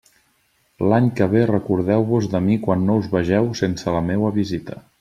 L'any que ve recordeu-vos de mi quan no us vegeu sense la meua visita.